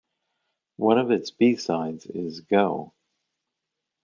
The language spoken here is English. One of its B-sides is "Gough".